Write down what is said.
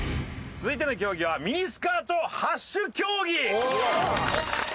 続いての競技はミニスカート８種競技！